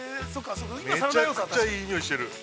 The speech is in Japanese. ◆めちゃくちゃいい匂いしてる。